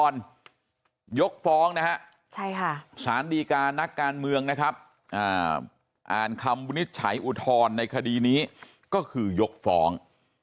นัดฟังคำวินิจฉัยอุทธรณ์ในคดีนี้ก็คือยกฟ้อง